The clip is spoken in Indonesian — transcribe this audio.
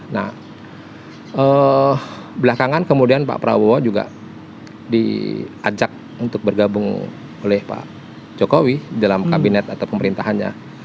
nah belakangan kemudian pak prabowo juga diajak untuk bergabung oleh pak jokowi dalam kabinet atau pemerintahannya